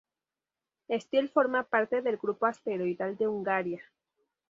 Steel forma parte del grupo asteroidal de Hungaria.